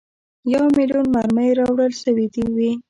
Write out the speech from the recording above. یو میلیون مرمۍ راوړل سوي وې.